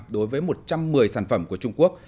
đối với một trăm một mươi sản phẩm của trung quốc